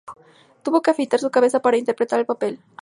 Tuvo que afeitar su cabeza para interpretar el papel.